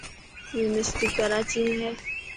يونيورسٽي ڪراچي ۾ هي.